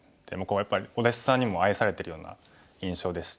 やっぱりお弟子さんにも愛されてるような印象でしたね。